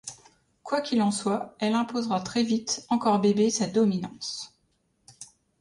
Quoi qu’il en soit, elle imposera très vite, encore bébé, sa dominance.